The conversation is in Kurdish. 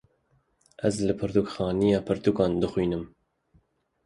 Ez li pertûkxanayê, pertûkan dixwînim